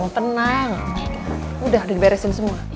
tenang udah diberesin semua